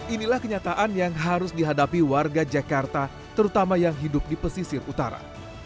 inilah kenyataan yang harus dihadapi warga jakarta terutama yang hidup di pesisir utara